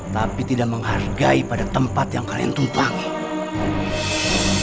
tapi tidak menghargai pada tempat yang kalian tumpangi